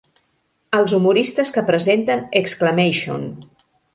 Els humoristes que presenten Exclamation!